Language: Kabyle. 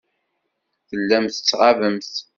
Tellamt tettɣabemt.